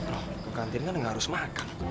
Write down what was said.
oh ke kantin kan nggak harus makan